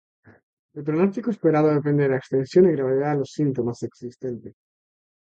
El pronóstico esperado depende de la extensión y gravedad de los síntomas existentes.